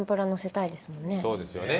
そうですよね。